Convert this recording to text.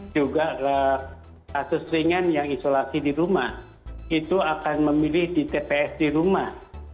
juga kasus ringan yang isolasi di rumah itu akan memilih di tps di rumah